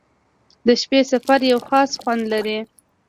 • د شپې سفر یو خاص خوند لري.